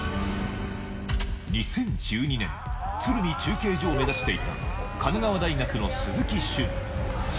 ２０１２年、鶴見中継所を目指していた、神奈川大学の鈴木駿。